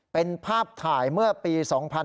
เป็นภาพถ่ายเมื่อปี๒๕๕๙